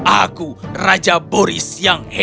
aku raja boris yang hebat